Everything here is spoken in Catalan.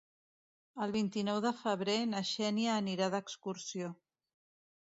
El vint-i-nou de febrer na Xènia anirà d'excursió.